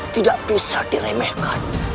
tidak bisa diremehkan